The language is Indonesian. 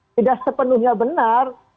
tidak sepenuhnya benar